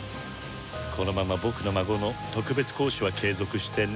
「このまま僕の孫の特別講師は継続してね」。